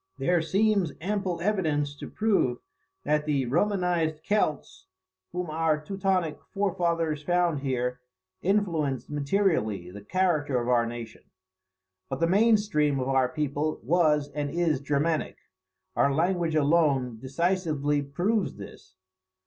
There seems ample evidence to prove that the Romanized Celts, whom our Teutonic forefathers found here, influenced materially the character of our nation. But the main stream of our people was and is Germanic. Our language alone decisively proves this.